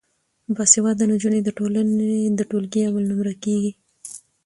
باسواده نجونې د ټولګي اول نمره کیږي.